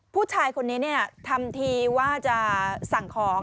ผู้ชายคนนี้ทำทีว่าจะสั่งของ